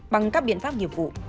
bằng các biện pháp nghiệp vụ